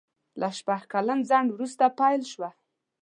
له شپږ کلن ځنډ وروسته پېل شوه.